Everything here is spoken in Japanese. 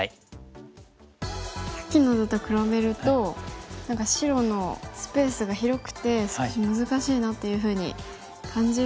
さっきの図と比べると何か白のスペースが広くて少し難しいなっていうふうに感じるんですが。